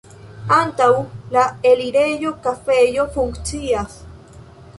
Antaŭ la elirejo kafejo funkcias.